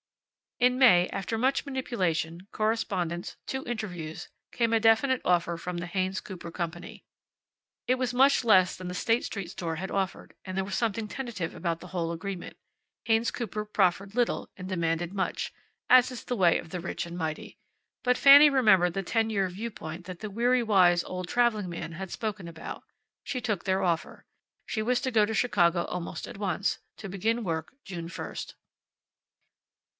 In May, after much manipulation, correspondence, two interviews, came a definite offer from the Haynes Cooper Company. It was much less than the State Street store had offered, and there was something tentative about the whole agreement. Haynes Cooper proffered little and demanded much, as is the way of the rich and mighty. But Fanny remembered the ten year viewpoint that the weary wise old traveling man had spoken about. She took their offer. She was to go to Chicago almost at once, to begin work June first.